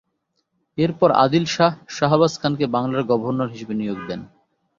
এরপর আদিল শাহ শাহবাজ খানকে বাংলার গভর্নর হিসেবে নিয়োগ দেন।